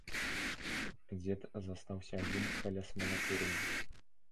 Дзед застаўся адзін каля смалакурні.